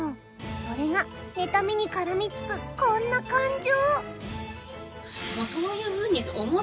それが妬みに絡みつくこんな感情。